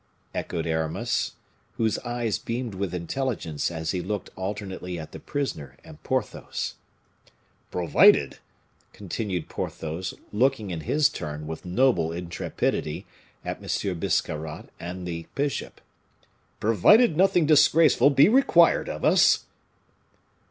echoed Aramis, whose eyes beamed with intelligence as he looked alternately at the prisoner and Porthos. "Provided," continued Porthos, looking, in his turn, with noble intrepidity, at M. Biscarrat and the bishop "provided nothing disgraceful be required of us."